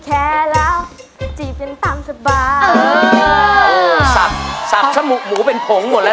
แต่ก็สนุกดีเนาะมันจะไม่เครียดเวลาร้องเพลงไป